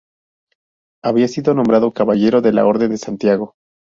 Había sido nombrado caballero de la Orden de Santiago.